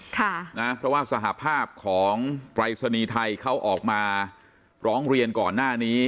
เพราะว่าสหภาพของปรายศนีย์ไทยเขาออกมาร้องเรียนก่อนหน้านี้